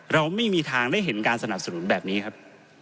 เราไม่มีทางได้เห็นการสนับสนุนแบบนี้ครับ